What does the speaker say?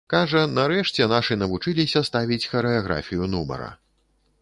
Кажа, нарэшце нашы навучыліся ставіць харэаграфію нумара.